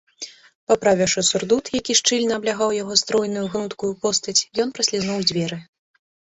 Паправіўшы сурдут, які шчыльна аблягаў яго стройную гнуткую постаць, ён праслізнуў у дзверы.